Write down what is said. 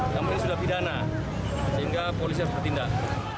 namun ini sudah pidana sehingga polisi harus bertindak